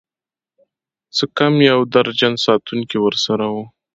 څه کم يو درجن ساتونکي ورسره وو.